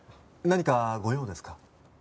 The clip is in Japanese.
何かご用ですか？